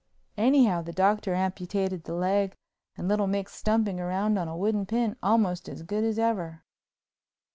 Anyhow, the Doctor amputated the leg and little Mick's stumping round on a wooden pin almost as good as ever.